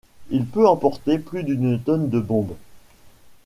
Il peut emporter plus d'une tonne de bombes.